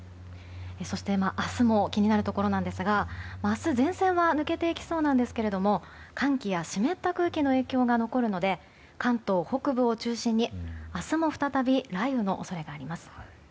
そして、明日も気になるところなんですが明日、前線は抜けていきそうなんですが寒気や湿った空気の影響が残るので関東北部を中心に明日も再び雷雨の恐れがあります。